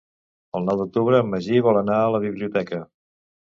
El nou d'octubre en Magí vol anar a la biblioteca.